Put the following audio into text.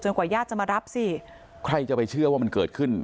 กว่าญาติจะมารับสิใครจะไปเชื่อว่ามันเกิดขึ้น